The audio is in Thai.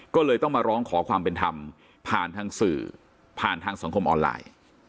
ก็เลยต้องมาร้องขอความเป็นธรรมผ่านทางสื่อผ่านทางสังคมออนไลน์